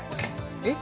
えっ？